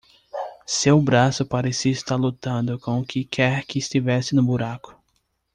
Seu braço parecia estar lutando com o que quer que estivesse no buraco.